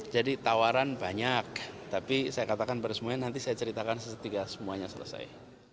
jadi tawaran banyak tapi saya katakan pada semuanya nanti saya ceritakan setelah semuanya selesai